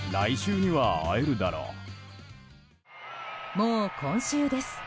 もう、今週です。